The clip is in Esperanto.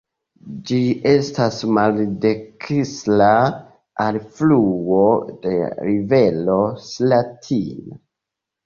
Ĝi estas maldekstra alfluo de rivero Slatina.